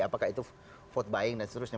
apakah itu vote buying dan seterusnya